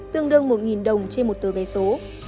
tương đương một đồng trên một tờ vé số